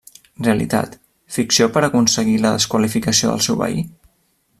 Realitat, ficció per aconseguir la desqualificació del seu veí?